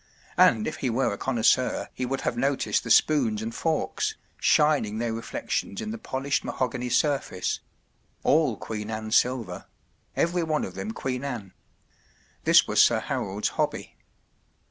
And if he were a connoisseur he would have noticed the spoons and forks, shining their reflections in the polished mahogany surface—all Queen Anne silver— every one of them Queen Anne. This was Sir Harold’rvhobb^Y.